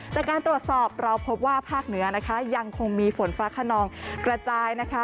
จากการตรวจสอบเราพบว่าภาคเหนือนะคะยังคงมีฝนฟ้าขนองกระจายนะคะ